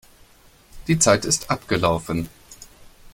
Die Zeit ist abgelaufen.